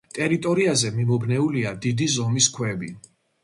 ტერიტორიაზე მიმობნეულია დიდი ზომის ქვები.